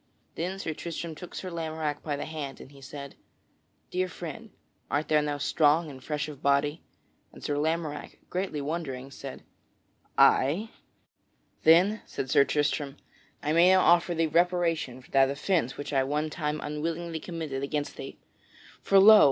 Then Sir Tristram took Sir Lamorack by the hand, and he said, "Dear friend, art thou now strong and fresh of body?" And Sir Lamorack, greatly wondering, said, "Ay." "Then," said Sir Tristram, "I may now offer thee reparation for that offence which I one time unwillingly committed against thee. For lo!